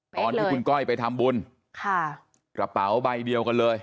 ตอนที่คุณก้อยไปทำบุญค่ะกระเป๋าใบเดียวกันเลย